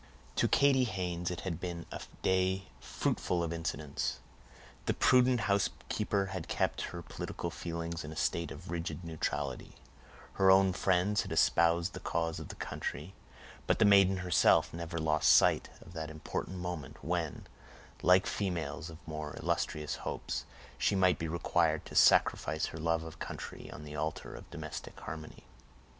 To Katy Haynes it had been a day fruitful of incidents. The prudent housekeeper had kept her political feelings in a state of rigid neutrality; her own friends had espoused the cause of the country, but the maiden herself never lost sight of that important moment, when, like females of more illustrious hopes, she might be required to sacrifice her love of country on the altar of domestic harmony.